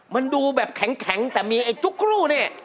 มันดูแบบแข็งแต่มีไอ้จุ๊กครู่เนี่ย